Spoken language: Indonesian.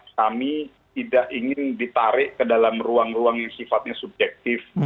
kami tidak ingin ditarik ke dalam ruang ruang yang sifatnya subjektif